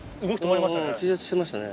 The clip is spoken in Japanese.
気絶しましたね